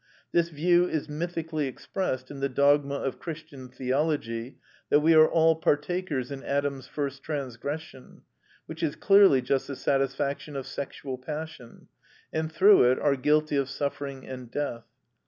This view is mythically expressed in the dogma of Christian theology that we are all partakers in Adam's first transgression (which is clearly just the satisfaction of sexual passion), and through it are guilty of suffering and death.